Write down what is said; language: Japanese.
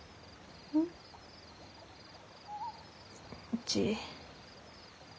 うん？うち。